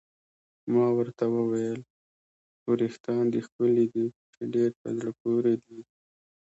ما ورته وویل: وریښتان دې ښکلي دي، چې ډېر په زړه پورې دي.